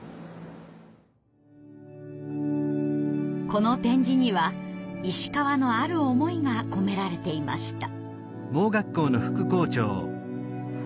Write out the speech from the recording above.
この点字には石川のある思いが込められていました。